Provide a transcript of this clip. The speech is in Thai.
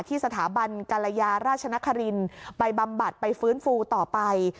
สถาบันกรยาราชนครินไปบำบัดไปฟื้นฟูต่อไป